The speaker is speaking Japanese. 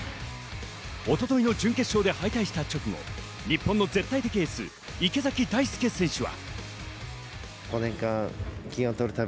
一昨日の準決勝で敗退した直後日本の絶対的エース・池崎大輔選手は。